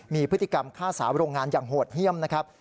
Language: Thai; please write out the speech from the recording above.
มีพฤติกรรมฆ่าสาวโรงงานอย่างโหดเยี่ยมนะครับ